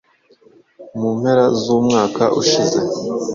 mu mpera z’umwaka ushize